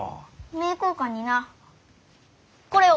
名教館になこれを。